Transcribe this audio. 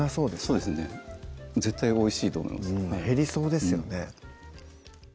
そうですね絶対おいしいと思います減りそうですよね